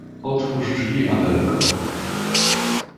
"otwórz drzwi, Amelko!"